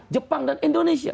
jepang dan indonesia